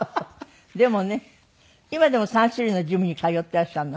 でもね今でも３種類のジムに通っていらっしゃるの？